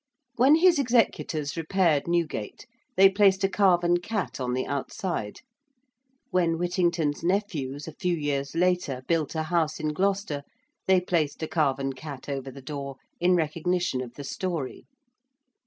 When his executors repaired Newgate they placed a carven cat on the outside: when Whittington's nephews, a few years later, built a house in Gloucester they placed a carven cat over the door in recognition of the story.